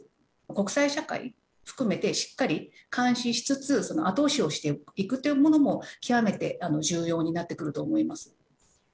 国際社会含めてしっかり監視しつつしっかり後押しをしていくというのも極めて重要になってくると思います。